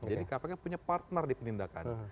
jadi kpk punya partner di penindakan